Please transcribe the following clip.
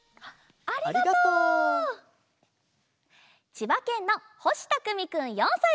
ちばけんのほしたくみくん４さいから。